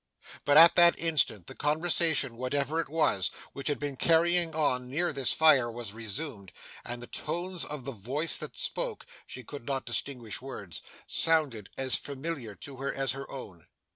But at that instant the conversation, whatever it was, which had been carrying on near this fire was resumed, and the tones of the voice that spoke she could not distinguish words sounded as familiar to her as her own.